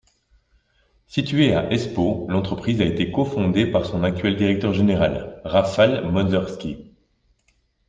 Située à Espoo, l'entreprise a été co-fondée par son actuel directeur général, Rafal Modrzewski.